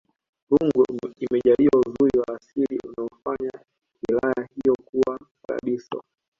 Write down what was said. rungwe imejaliwa uzuri wa asili unayofanya wilaya hiyo kuwa paradiso